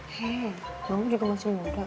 he kamu juga masih muda